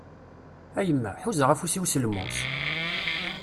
A yemma, ḥuzaɣ afus-iw s lmus!